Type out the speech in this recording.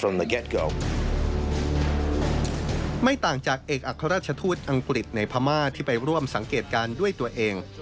ไม่ต่างจากเอกอัครราชทูตอังกฤษในพม่าที่ไปร่วมสังเกตการณ์ด้วยตัวเอง